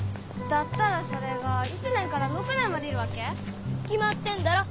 だったらそれが１年から６年までいるわけ？決まってんだろ？